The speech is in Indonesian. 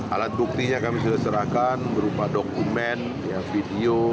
alat buktinya kami sudah serahkan berupa dokumen video